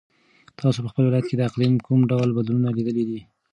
تاسو په خپل ولایت کې د اقلیم کوم ډول بدلونونه لیدلي دي؟